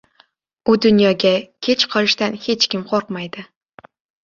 • U dunyoga kech qolishdan hech kim qo‘rqmaydi.